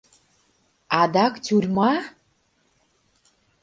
Адак тюрьма?